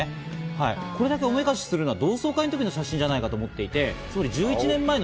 これだけおめかしをするのは同窓会の時の写真じゃないかと思って１１年前の。